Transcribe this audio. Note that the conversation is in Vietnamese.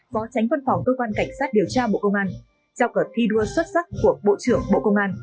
phó tránh văn phòng cơ quan cảnh sát điều tra bộ công an trao cờ thi đua xuất sắc của bộ trưởng bộ công an